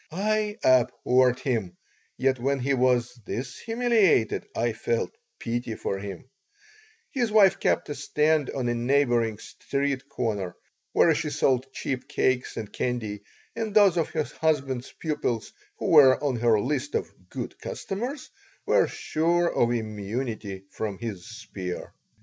I abhorred him, yet when he was thus humiliated I felt pity for him His wife kept a stand on a neighboring street corner, where she sold cheap cakes and candy, and those of her husband's pupils who were on her list of "good customers" were sure of immunity from his spear.